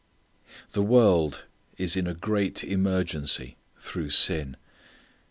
_The world is in a great emergency through sin.